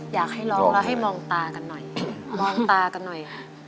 อยากให้ร้องแล้วให้มองตากันหน่อยมองตากันหน่อยค่ะ